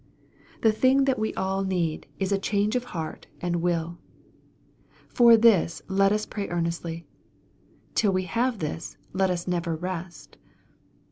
The thing that, we all need, is a MARK, CHAP. XII. 25i change of heart and will. For this let us piay ear nestly. Till we have this, lot us never rest.